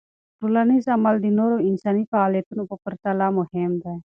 ټولنیز عمل د نورو انساني فعالیتونو په پرتله مهم دی.